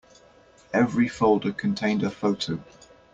Every folder contained a photo.